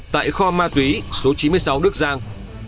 tại kho ma túy số chín mươi sáu đức giang